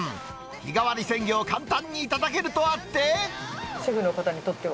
日替わり鮮魚を簡単に頂けるとあって。